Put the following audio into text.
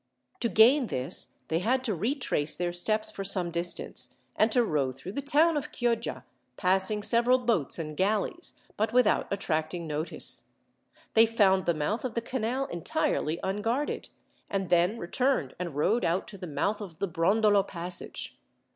To gain this, they had to retrace their steps for some distance, and to row through the town of Chioggia, passing several boats and galleys, but without attracting notice. They found the mouth of the canal entirely unguarded, and then returned and rowed out to the mouth of the Brondolo passage.